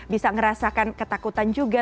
bisa ngerasakan ketakutan juga